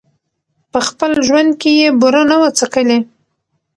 په خپل ژوند کي یې بوره نه وه څکلې